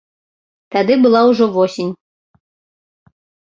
Тады была ўжо восень.